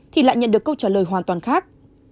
thì lại nhận được câu trả lời hoàn toàn khác